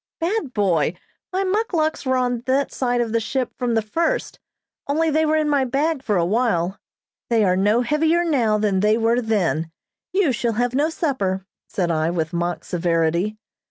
"Bad boy! My muckluks were on that side of the ship from the first, only they were in my bag for a while. They are no heavier now than they were then. You shall have no supper," said I, with mock severity.